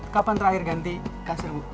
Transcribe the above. kapan terakhir ganti kasur bu